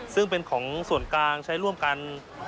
ซึ่งเป็นของส่วนกลางใช้ร่วมกัน